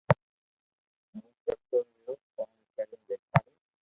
ھين ڪرتا رھيو ڪوم ڪرين ديکاريو